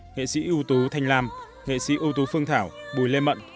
nghệ sĩ ưu tú thanh lam nghệ sĩ ưu tú phương thảo bùi lê mận